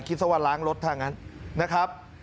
คลิดแต่ว่าร้างรถท่างั้นนะครับ